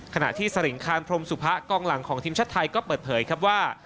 ขณะที่สริงคานพรมสุภะกองหลังของทีมชาติไทยก็เปิดเผยครับว่า